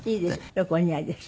よくお似合いです。